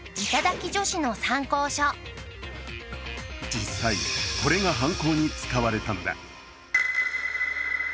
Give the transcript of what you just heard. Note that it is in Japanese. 実際これが犯行に使われたのだ。